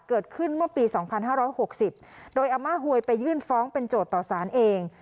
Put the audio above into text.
เกิดขึ้นเมื่อปี๒๕๖๐โดยอาม่าหวยไปยื่นฟ้องเป็นโจทย์ต่อสารเอง